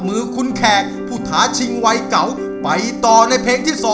สวัสดีครับ